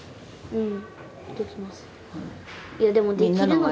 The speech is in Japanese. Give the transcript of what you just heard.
うん。